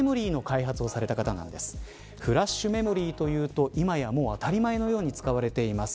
フラッシュメモリーというと今やもう、当たり前に使われています。